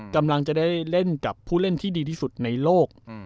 กำลังจะได้เล่นกับผู้เล่นที่ดีที่สุดในโลก